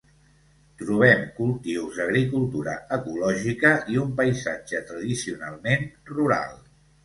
Trobem cultius d'agricultura ecològica i un paisatge tradicionalment rural.